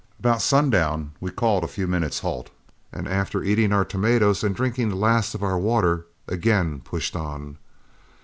About sundown we called a few minutes' halt, and after eating our tomatoes and drinking the last of our water, again pushed on.